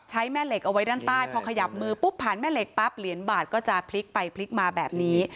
แม่เหล็กเอาไว้ด้านใต้พอขยับมือปุ๊บผ่านแม่เหล็กปั๊บเหรียญบาทก็จะพลิกไปพลิกมาแบบนี้